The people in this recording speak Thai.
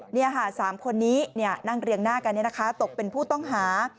นี่ค่ะ๓คนนี้นั่งเรียงหน้ากันตกเป็นผู้ต้องหา